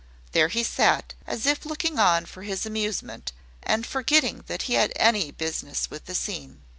There he sat, as if looking on for his amusement, and forgetting that he had any business with the scene.